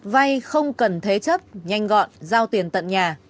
vay không cần thế chấp nhanh gọn giao tiền tận nhà